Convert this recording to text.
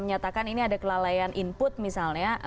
menyatakan ini ada kelalaian input misalnya